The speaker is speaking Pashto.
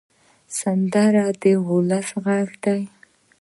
سندره د ولس غږ دی